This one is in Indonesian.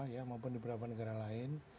ya maupun di beberapa negara lain